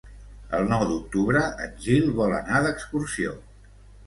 El nou d'octubre en Gil vol anar d'excursió.